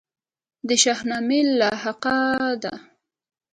د شاهنامې لاحقه ده.